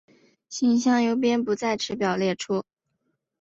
信箱邮编不在此表列出。